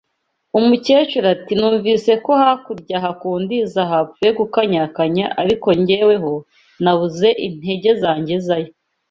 Umukecuru ati Numvise ko hakurya aha ku Ndiza hapfuye gukanyakanya ariko geweho nabuze intege zangezayo»